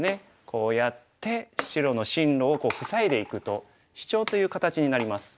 こうやって白の進路を塞いでいくとシチョウという形になります。